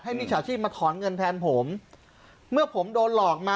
มิจฉาชีพมาถอนเงินแทนผมเมื่อผมโดนหลอกมา